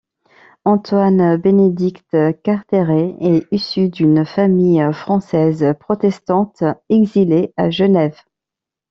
Antoine Bénédict Carteret est issu d'une famille française protestante exilée à Genève.